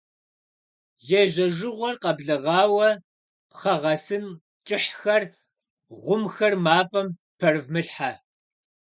Ежьэжыгъуэр къэблэгъауэ пхъэ гъэсын кӀыхьхэр, гъумхэр мафӀэм пэрывмылъхьэ.